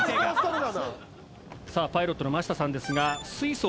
さあパイロットの真下さんですが。